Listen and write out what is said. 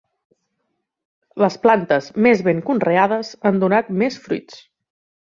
Les plantes més ben conreades han donat més fruits.